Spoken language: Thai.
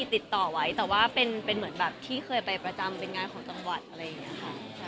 ติดต่อไว้แต่ว่าเป็นเหมือนแบบที่เคยไปประจำเป็นงานของจังหวัดอะไรอย่างนี้ค่ะ